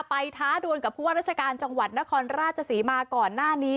ท้าดวนกับผู้ว่าราชการจังหวัดนครราชศรีมาก่อนหน้านี้